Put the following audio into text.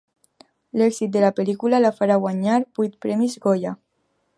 L'èxit de la pel·lícula la farà guanyar vuit Premis Goya.